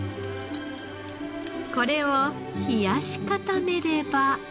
これを冷やし固めれば。